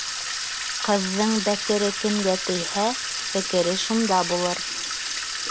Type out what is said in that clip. Ҡыҙҙың бәкере кемгә тейһә, фекере шунда булыр.